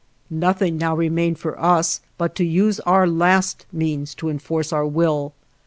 Nothing now remained for us but to use our last means to enforce our will.